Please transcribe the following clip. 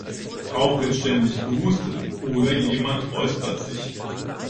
Auch wird ständig gehustet oder jemand räuspert sich.